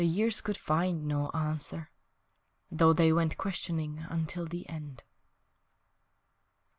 The years could find no answer, Though they went questioning Until the end.